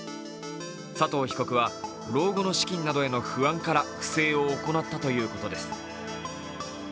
佐藤被告は老後の資金などへの不安から不正を行ったということです。